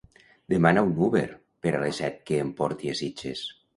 Demana un Uber per a les set que em porti a Sitges.